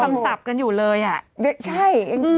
กรมป้องกันแล้วก็บรรเทาสาธารณภัยนะคะ